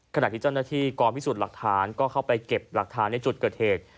ขณะที่เจ้าหน้าที่กองพิสูจน์หลักฐานก็เข้าไปเก็บหลักฐานในจุดเกิดเหตุ